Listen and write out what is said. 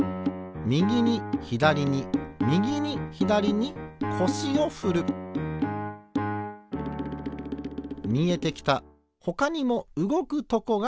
みぎにひだりにみぎにひだりにこしをふるみえてきたほかにもうごくとこがある。